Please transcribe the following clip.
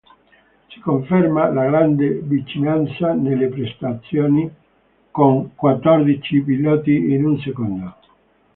Si conferma la grande vicinanza nelle prestazioni, con quattordici piloti in un secondo.